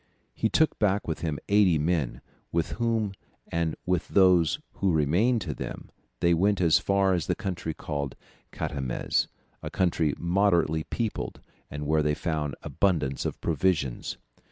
He took back with him eighty men, with whom and with those who remained to them, they went as far as the country called Catamez, a country moderately peopled and where they found abundance of provisions.